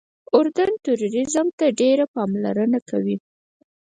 اردن ټوریزم ته ډېره پاملرنه کوي.